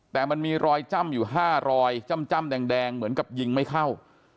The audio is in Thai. แต่มันมีรอยจ้ำอยู่๕รอยจ้ำแดงเหมือนกับยิงไม่เข้า